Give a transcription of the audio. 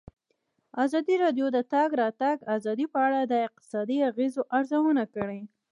ازادي راډیو د د تګ راتګ ازادي په اړه د اقتصادي اغېزو ارزونه کړې.